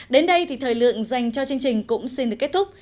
đến đây thì thời lượng dành cho chương trình cũng xin được kết thúc